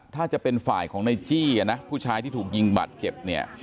ถ้าจะเป็นฝ่ายของในจี้นะผู้ชายที่ถูกยิงบาดเจ็บเนี่ย